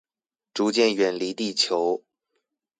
逐漸遠離地球